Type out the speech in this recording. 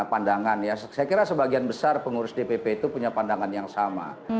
saya kira sebagian besar pengurus dpp itu punya pandangan yang sama